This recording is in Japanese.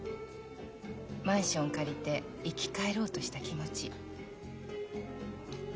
マンション借りて生き返ろうとした気持ち。